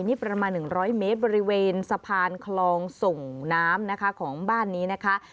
นี่ประมาณ๑๐๐เมตรบริเวณสะพานคลองส่งน้ำนะคะของบ้านนี้นะคะ